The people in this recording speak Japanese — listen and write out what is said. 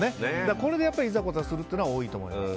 これでいざこざするというのは多いと思います。